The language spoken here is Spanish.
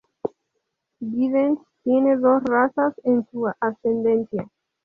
Giddens tiene dos razas en su ascendencia.